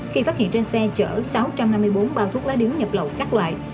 khi phát hiện trên xe chở sáu trăm hai mươi bốn bao thuốc lá điếu nhập lậu các loại